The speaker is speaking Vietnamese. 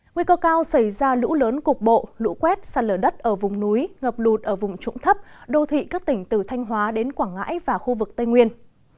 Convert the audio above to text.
nguy cơ cao xảy ra lũ lớn cục bộ lũ quét sạt lở đất ở vùng núi ngập lụt ở vùng trũng thấp đô thị các tỉnh từ thanh hóa đến quảng ngãi và khu vực tây nguyên